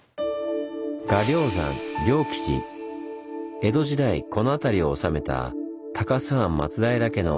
江戸時代この辺りを治めた高須藩松平家の菩提寺です。